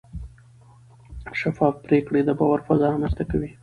شفاف پریکړې د باور فضا رامنځته کوي.